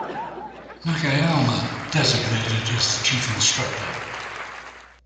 Nakayama designated as the chief instructor.